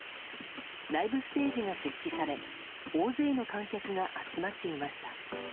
ライブステージが設置され大勢の観客が集まっていました。